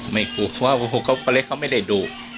ไม่กลัวว่าปลาเล็กเค้าไม่ได้ดู